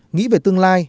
nghĩ về tương lai